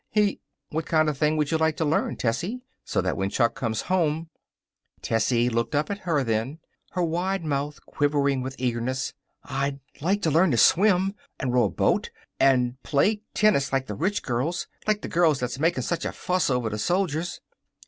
He " "What kind of thing would you like to learn, Tessie, so that when Chuck comes home " Tessie looked up then, her wide mouth quivering with eagerness. "I'd like to learn to swim and row a boat and play tennis like the rich girls like the girls that's making such a fuss over the soldiers."